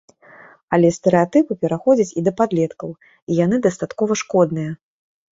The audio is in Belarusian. Але стэрэатыпы пераходзяць і да падлеткаў, і яны дастаткова шкодныя.